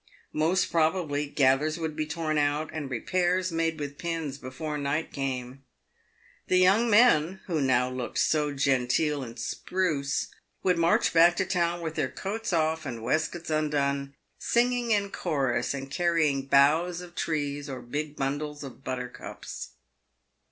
Most probably gathers would be torn out, and repairs made with pins, before night came. The young men, who now looked so genteel and spruce, would march back to town with their coats off and waistcoats undone, singing in chorus, and carrying boughs of trees or big bundles of buttercups.